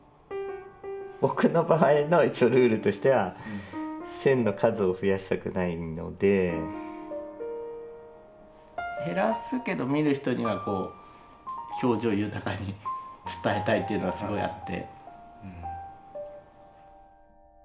僕の場合の一応ルールとしては線の数を増やしたくないので減らすけど見る人にはこう表情豊かに伝えたいというのがすごいあって。